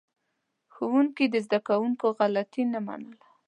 ښوونکي د زده کوونکو غلطي نه منله.